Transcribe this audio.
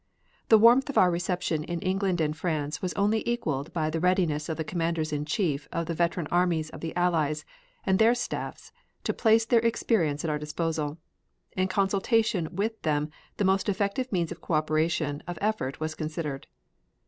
The warmth of our reception in England and France was only equaled by the readiness of the commanders in chief of the veteran armies of the Allies and their staffs to place their experience at our disposal. In consultation with them the most effective means of co operation of effort was considered.